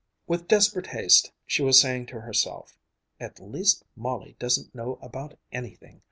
With desperate haste she was saying to herself, "At least Molly doesn't know about anything.